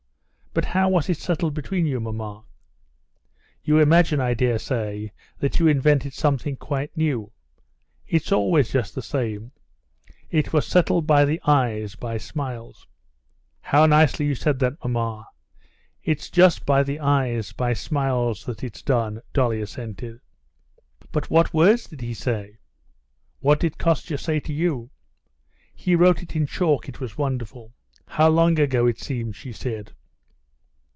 "But how was it settled between you, mamma?" "You imagine, I dare say, that you invented something quite new? It's always just the same: it was settled by the eyes, by smiles...." "How nicely you said that, mamma! It's just by the eyes, by smiles that it's done," Dolly assented. "But what words did he say?" "What did Kostya say to you?" "He wrote it in chalk. It was wonderful.... How long ago it seems!" she said.